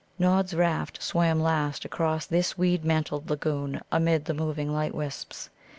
Nod's raft swam last across this weed mantled lagoon amid the moving light wisps.